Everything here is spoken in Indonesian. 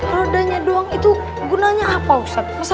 rodanya doang itu gunanya apa ustadz